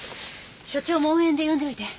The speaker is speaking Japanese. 所長も応援で呼んでおいて。